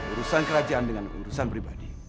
urusan kerajaan dengan urusan pribadi